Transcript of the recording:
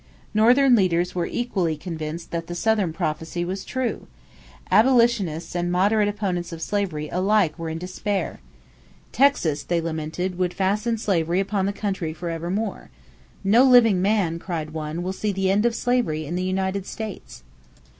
Northern leaders were equally convinced that the Southern prophecy was true. Abolitionists and moderate opponents of slavery alike were in despair. Texas, they lamented, would fasten slavery upon the country forevermore. "No living man," cried one, "will see the end of slavery in the United States!"